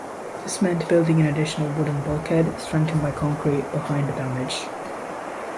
This meant building an additional wooden bulkhead, strengthened by concrete, behind the damage.